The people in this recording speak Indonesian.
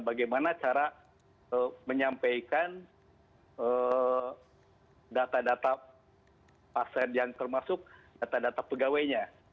bagaimana cara menyampaikan data data pasien yang termasuk data data pegawainya